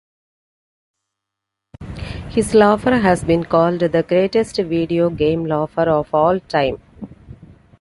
His laughter has been called the greatest video game laughter of all time.